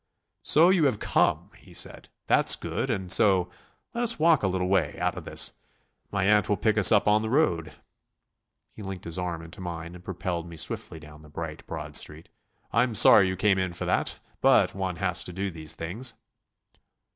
"So you have come," he said; "that's good, and so.... Let us walk a little way ... out of this. My aunt will pick us up on the road." He linked his arm into mine and propelled me swiftly down the bright, broad street. "I'm sorry you came in for that, but one has to do these things."